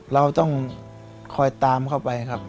เราต้องคอยตามเข้าไปครับ